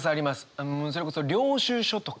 もうそれこそ領収書とか。